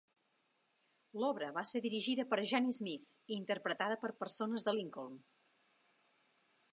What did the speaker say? L'obra va ser dirigida per Janie Smith i interpretada per persones de Lincoln.